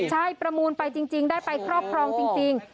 ใช่ประมูลไปจริงได้ไปครอบครองจริง